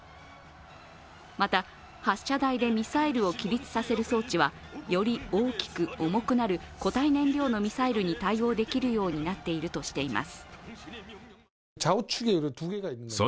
また、発射台でミサイルを起立させる装置はより大きく、重くなる固体燃料のミサイルに対応できるようになっているとしています。